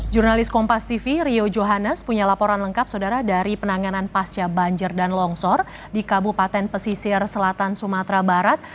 jurnalis kompas tv rio johannes punya laporan lengkap saudara dari penanganan pasca banjir dan longsor di kabupaten pesisir selatan sumatera barat